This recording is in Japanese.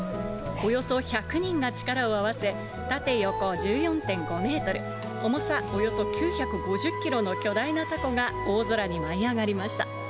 およそ１００人が力を合わせ、縦横１４．５メートル、重さおよそ９５０キロの巨大なたこが大空に舞い上がりました。